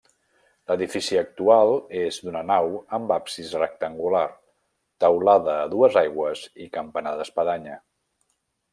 L'edifici actual és d'una nau amb absis rectangular, teulada a dues aigües i campanar d'espadanya.